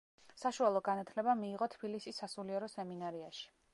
საშუალო განათლება მიიღო თბილისის სასულიერო სემინარიაში.